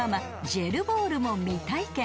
ジェルボールも未体験］